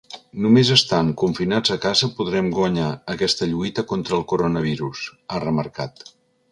Només estant confinats a casa podrem guanyar aquesta lluita contra el coronavirus, ha remarcat.